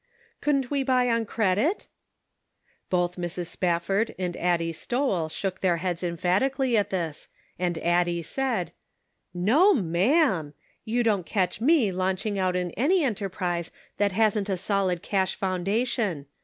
" Couldn't we buy on credit ?" Both Mrs. Spafford and Addie Stowell shook their heads emphatically at this, and Addie said : "No ma'am! You don't catch me launch ing out in any enterprise that hasn't a solid cash foundation.